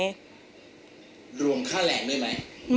รวมค่าแรงด้วยมั้ย